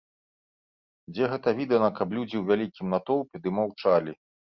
Дзе гэта відана, каб людзі ў вялікім натоўпе ды маўчалі?